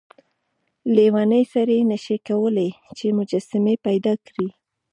لیونی سړی نشي کولای چې مجسمې پیدا کړي.